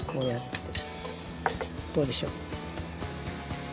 どうでしょう？